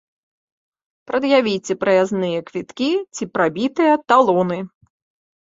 Прад'явіце праязныя квіткі ці прабітыя талоны.